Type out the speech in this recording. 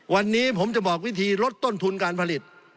วันนี้ผมจะบอกวิธีลดต้นทุนการผลิต